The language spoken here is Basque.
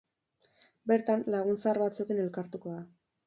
Bertan, lagun zahar batzuekin elkartuko da.